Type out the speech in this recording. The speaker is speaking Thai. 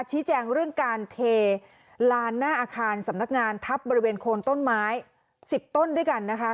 ชี้แจงเรื่องการเทลานหน้าอาคารสำนักงานทับบริเวณโคนต้นไม้๑๐ต้นด้วยกันนะคะ